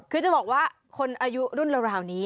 คือจะบอกว่าคนอายุรุ่นราวนี้